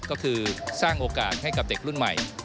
ก็คือสร้างโอกาสให้กับเด็กรุ่นใหม่